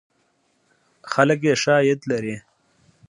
خلک یې ښه عاید لري.